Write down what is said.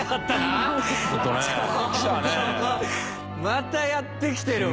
またやってきてる。